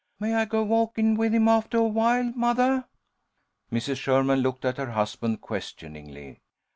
May I go walkin' with him aftah awhile, mothah?" Mrs. Sherman looked at her husband, questioningly.